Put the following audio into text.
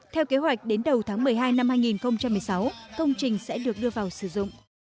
theo kế hoạch đến đầu tháng một mươi hai năm hai nghìn một mươi sáu công trình sẽ được đưa vào sử dụng